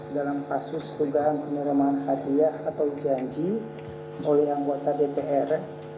dalam kasus dugaan penerimaan hadiah atau janji oleh anggota dpr